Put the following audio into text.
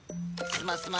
スマスマ。